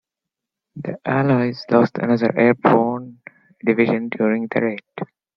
The allies lost another airborne division during the raid.